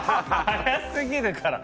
早すぎるから！